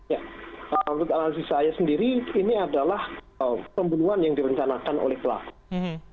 ya menurut analisis saya sendiri ini adalah pembunuhan yang direncanakan oleh pelaku